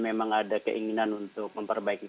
memang ada keinginan untuk memperbaiki